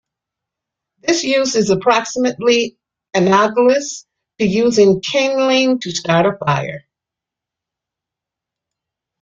This use is approximately analogous to using kindling to start a fire.